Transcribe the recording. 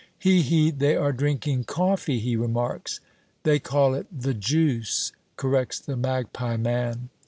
"He, he! They are drinking coffee," he remarks. "They call it 'the juice,'" corrects the magpie man.